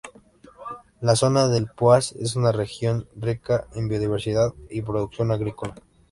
La zona del Poás es una región rica en biodiversidad y producción agrícola.